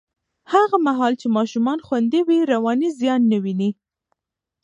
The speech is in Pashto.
هغه مهال چې ماشومان خوندي وي، رواني زیان نه ویني.